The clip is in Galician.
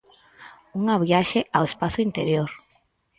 Unha viaxe ao espazo interior.